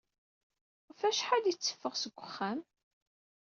Ɣef wacḥal i teffeɣ seg wexxam?